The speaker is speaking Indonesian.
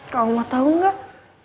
kamu mau tau gak